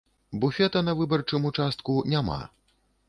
Буфета на выбарчым участку няма.